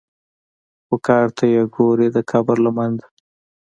خو کار ته یې ګورې د قبر له منځه.